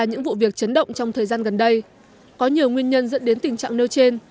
những vụ việc chấn động trong thời gian gần đây có nhiều nguyên nhân dẫn đến tình trạng nêu trên